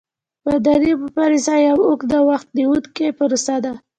مدني مبارزه یوه اوږده او وخت نیوونکې پروسه ده.